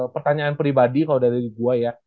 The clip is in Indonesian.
pertanyaan pribadi kalau dari gue ya